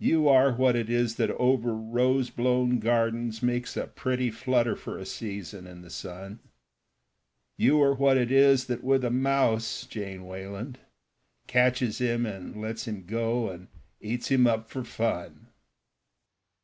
"You are what it is that over rose blown gardens Makes a pretty flutter for a season in the sun; You are what it is that with a mouse, Jane Wayland, Catches him and lets him go and eats him up for fun."